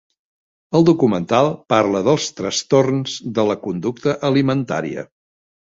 El documental parla dels trastorns de la conducta alimentària.